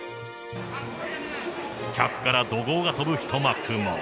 客から怒号が飛ぶ一幕も。